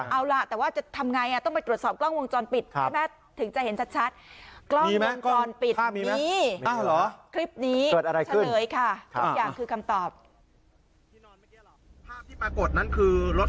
เอาล่ะแต่ว่าจะทำไงต้องไปตรวจสอบกล้องวงจรปิดถึงจะเห็นชัด